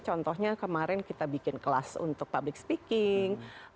contohnya kemarin kita bikin kelas untuk public speaking